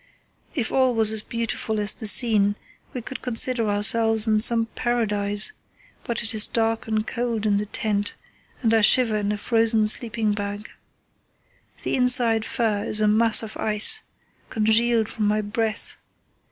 If all was as beautiful as the scene we could consider ourselves in some paradise, but it is dark and cold in the tent and I shiver in a frozen sleeping bag. The inside fur is a mass of ice, congealed from my breath.